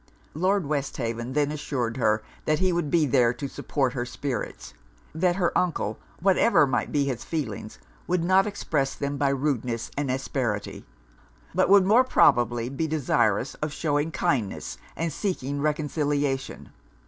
Lord Westhaven then assured her that he would be there to support her spirits. That her uncle, whatever might be his feelings, would not express them by rudeness and asperity; but would more probably be desirous of shewing kindness and seeking reconciliation.